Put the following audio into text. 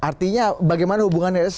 artinya bagaimana hubungannya